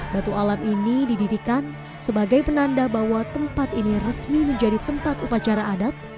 batu alam ini didirikan sebagai penanda bahwa tempat ini resmi menjadi tempat upacara adat